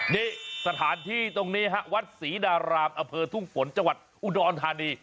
นี่สถานที่ตรงนี้ฮะวัดศรีดารามอเภอทุ่งฝนจังหวัดอุดรธานี